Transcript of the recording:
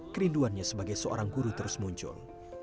kerinduannya sebagai seorang guru terus muncul